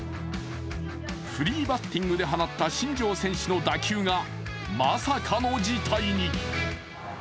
フリーバッティングで放った新庄選手の打球がまさかの事態に。